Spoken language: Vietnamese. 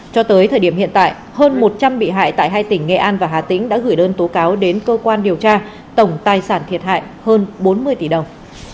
cho tới thời điểm hiện tại hơn một trăm linh bị hại tại hai tỉnh nghệ an và hà tĩnh đã gửi đơn tố cáo đến cơ quan điều tra tổng tài sản thiệt hại hơn bốn mươi tỷ đồng